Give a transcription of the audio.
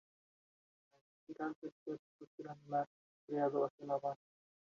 La espiral del cuerpo es granular, estriado hacia la base.